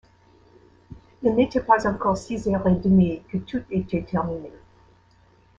Il n’était pas encore six heures et demie que tout était terminé.